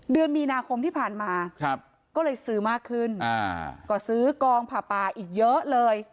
เดือนมีนาคมที่ผ่านมาก็เลยซื้อมากขึ้นก็ซื้อกองผ่าป่าอีกเยอะเลย